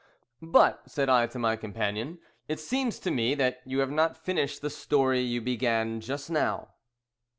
"But," said I to my companion, "it seems to me that you have not finished the story you began just now."